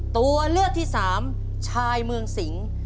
ตัวเลือกที่สามชายเมืองสิง